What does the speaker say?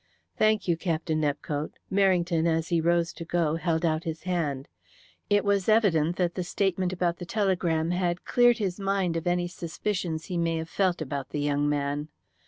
"Thank you, Captain Nepcote." Merrington, as he rose to go, held out his hand. It was evident that the statement about the telegram had cleared his mind of any suspicions he may have felt about the young man.